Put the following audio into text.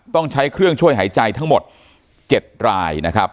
ต้องใช้เครื่องช่วยหายใจทั้งหมด๗รายนะครับ